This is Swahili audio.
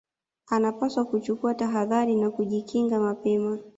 unapaswa kuchukua tahadhari na kujikinga mapema